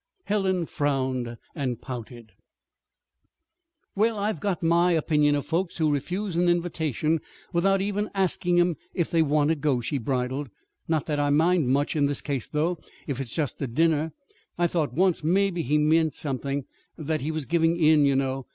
Helen frowned and pouted. "Well, I've got my opinion of folks who refuse an invitation without even asking 'em if they want to go," she bridled. "Not that I mind much, in this case, though, if it's just a dinner. I thought once, maybe he meant something that he was giving in, you know.